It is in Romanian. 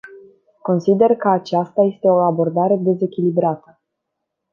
Consider că aceasta este o abordare dezechilibrată.